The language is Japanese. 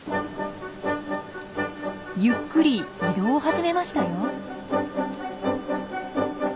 ゆっくり移動を始めましたよ。